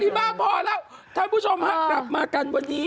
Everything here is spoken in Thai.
บ้าพอแล้วท่านผู้ชมฮะกลับมากันวันนี้